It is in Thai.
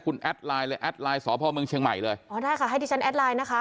คุณแอดไลน์เลยแอดไลน์สพเมืองเชียงใหม่เลยอ๋อได้ค่ะให้ดิฉันแอดไลน์นะคะ